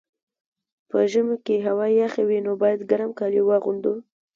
په ژمي کي هوا یخه وي، نو باید ګرم کالي واغوندو.